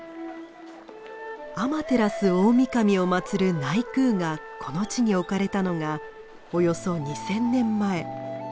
天照大御神を祀る内宮がこの地に置かれたのがおよそ２，０００年前。